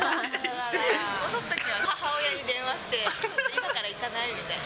こそっと母親に電話して、今から行かない？みたいな。